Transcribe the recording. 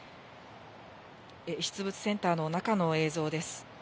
遺失物センターの中の映像です。